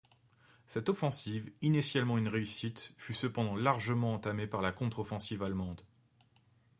Cette offensive, initialement une réussite, fut cependant largement entamée par la contre-offensive allemande.